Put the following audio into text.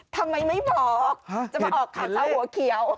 ทำไมไม่บอกจะมาออกข่าวเช้าหัวเขียว